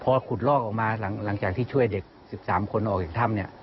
พอขุดลอกออกมาหลังจากที่ช่วยเด็ก๑๓คนออกจากถ้ำเนี่ย